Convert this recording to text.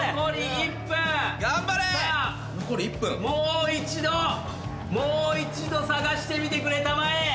さあもう一度もう一度捜してみてくれたまえ。